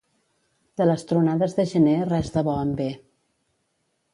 De les tronades de gener res de bo en ve.